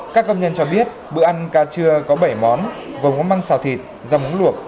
các công nhân cho biết bữa ăn ca trưa có bảy món gồm món măng xào thịt rau muống luộc